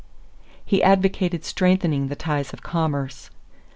He advocated strengthening the ties of commerce.